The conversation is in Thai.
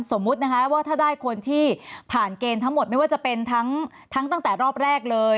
สมมุตินะคะว่าถ้าได้คนที่ผ่านเกณฑ์ทั้งหมดไม่ว่าจะเป็นทั้งตั้งแต่รอบแรกเลย